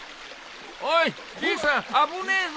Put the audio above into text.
おいじいさん危ねえぞ。